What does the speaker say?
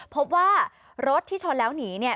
พบว่ารถที่ชนแล้วหนีเนี่ย